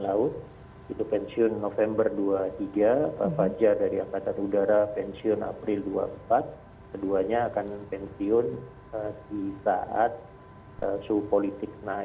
suhu politik naik pada saat kampanye pemilu sedang dilakukan